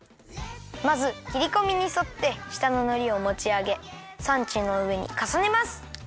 まずきりこみにそってしたののりをもちあげサンチュのうえにかさねます。